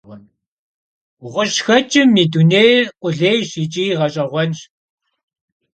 Ğuş'xeç'ım yi dunêyr khulêyş yiç'i ğeş'eğuenş.